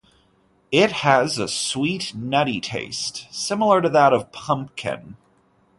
It has a sweet, nutty taste similar to that of a pumpkin.